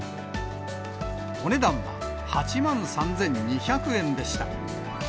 お値段は、８万３２００円でした。